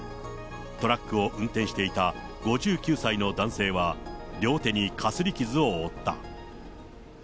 トラックを運転していた５９歳の男性は両手にかすり傷を負った。